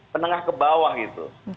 menengah ke bawah gitu